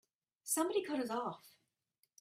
Somebody cut us off!